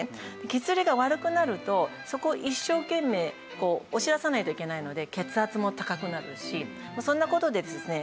血流が悪くなるとそこを一生懸命押し出さないといけないので血圧も高くなるしそんな事でですね